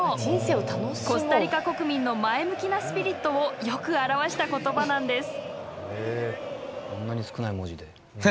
コスタリカ国民の前向きなスピリットをよく表した言葉なんです。